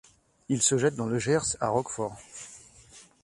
Il se jette dans le Gers à Roquefort.